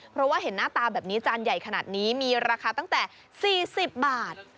เพราะว่าเห็นหน้าตาแบบนี้จานใหญ่ขนาดนี้มีราคาตั้งแต่๔๐บาท